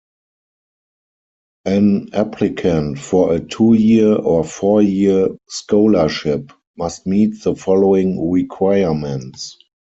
An applicant for a two-year or four-year scholarship must meet the following requirements.